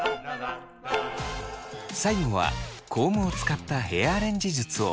最後はコームを使ったヘアアレンジ術を２つ。